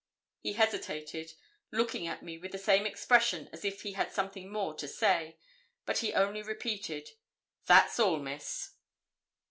He hesitated, looking at me with the same expression as if he had something more to say; but he only repeated 'That's all, Miss.'